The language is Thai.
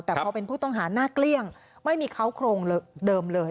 แต่พอเป็นผู้ต้องหาหน้าเกลี้ยงไม่มีเขาโครงเดิมเลย